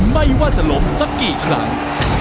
ไม่ว่าจะล้มสักกี่ครั้ง